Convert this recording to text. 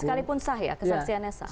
sekalipun sah ya kesaksiannya